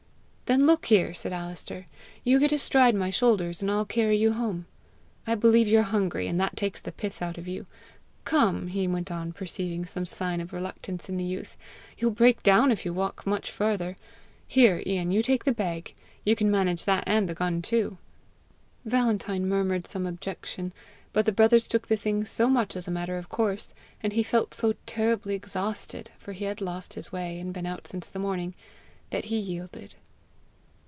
"Then look here!" said Alister; "you get astride my shoulders, and I'll carry you home. I believe you're hungry, and that takes the pith out of you! Come," he went on, perceiving some sign of reluctance in the youth, "you'll break down if you walk much farther! Here, Ian! you take the bag; you can manage that and the gun too!" Valentine murmured some objection; but the brothers took the thing so much as a matter of course, and he felt so terribly exhausted for he had lost his way, and been out since the morning that he yielded.